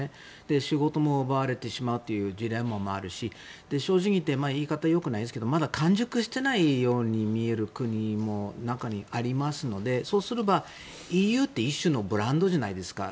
仕事も奪われてしまうというジレンマもあるし正直いって言い方はよくないですけどまだ完熟していないように見える国も中にはありますのでそうすればＥＵって一種のブランドじゃないですか。